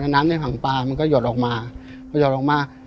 แล้วน้ำในถังปลามันก็หยดออกมา